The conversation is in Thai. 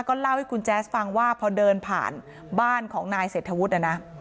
ก็เล่าให้คุณแจ๊สฟังว่าพอเดินผ่านบ้านของนายเศรษฐวุฒินะนะ